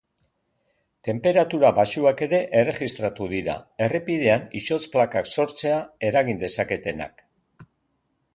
Tenperatura baxuak ere erregistratu dira, errepidean izotz-plakak sortzea eragin dezaketenak.